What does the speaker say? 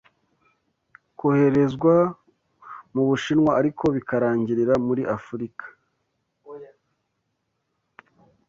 koherezwa mubushinwa ariko bikarangirira muri Afrika